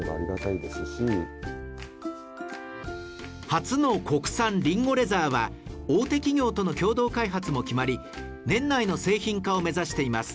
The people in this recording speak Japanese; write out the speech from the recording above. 初の国産りんごレザーは大手企業との共同開発も決まり年内の製品化を目指しています